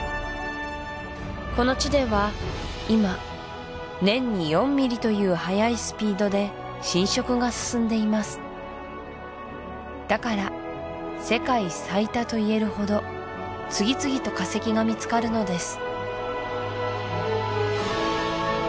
この地では今年に４ミリというはやいスピードで浸食が進んでいますだから世界最多といえるほど次々と化石が見つかるのです